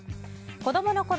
子供のころ